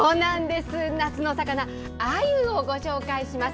夏の魚あゆをご紹介します。